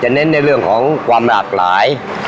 เน้นในเรื่องของความหลากหลาย